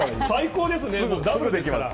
最高ですね。